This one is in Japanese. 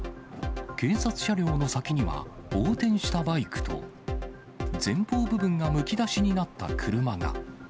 警察車両の先には、横転したバイクと、前方部分がむき出しになった車が。